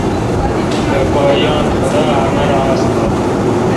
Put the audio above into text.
بہ پا یان خدا امر آس تہ۔